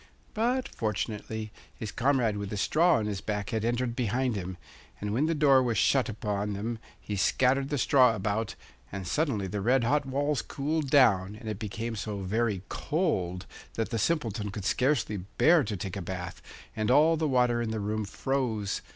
But, fortunately, his comrade with the straw on his back had entered behind him, and when the door was shut upon them he scattered the straw about, and suddenly the red hot walls cooled down, and it became so very cold that the Simpleton could scarcely bear to take a bath, and all the water in the room froze.